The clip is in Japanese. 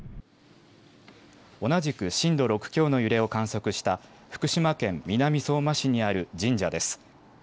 同じく震度６強の揺れを観測した福島県南相馬市にある神社です。